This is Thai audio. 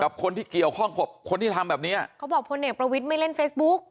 คนที่เกี่ยวข้องกับคนที่ทำแบบเนี้ยเขาบอกพลเอกประวิทย์ไม่เล่นเฟซบุ๊ก